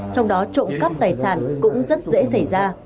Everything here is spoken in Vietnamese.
trong đó trộm cắp tài sản cũng rất dễ xảy ra